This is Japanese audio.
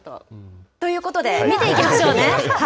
ということで、見ていきましょうね。